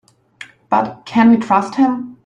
But can we trust him?